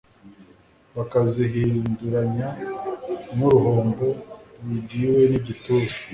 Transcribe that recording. bakazihinguranya nk'uruhombo rugizwe n'igituza,